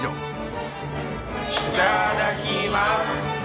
いただきます。